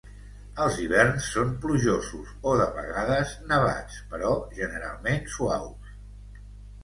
Els hiverns són plujosos o de vegades nevats, però generalment suaus.